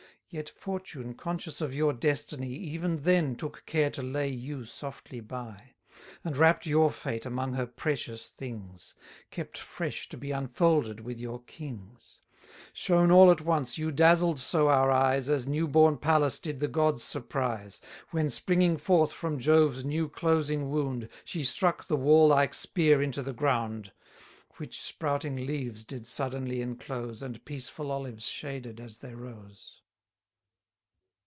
Yet fortune, conscious of your destiny, Even then took care to lay you softly by; And wrapp'd your fate among her precious things, Kept fresh to be unfolded with your king's. Shown all at once, you dazzled so our eyes, As new born Pallas did the gods surprise, 100 When, springing forth from Jove's new closing wound, She struck the warlike spear into the ground; Which sprouting leaves did suddenly enclose, And peaceful olives shaded as they rose.